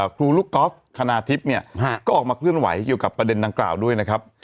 ครูลูกกอล์ฟคณาทิพย์เนี่ยก็ออกมาเคลื่อนไหวเกี่ยวกับประเด็นดังกล่าวด้วยนะครับ